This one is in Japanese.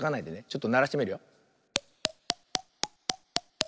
ちょっとならしてみるよ。